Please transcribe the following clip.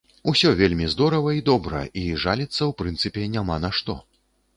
Усё вельмі здорава і добра, і жаліцца ў прынцыпе няма на што.